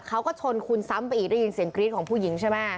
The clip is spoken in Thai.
เขาก็ชนคุณซ้ำไปอีกได้ยินเสียงกรี๊ดของผู้หญิงใช่ไหม